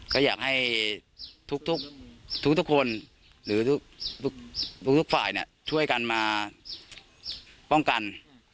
ก็อยากให้ทุกคนหรือทุกฝ่ายช่วยกันมาป้องกัน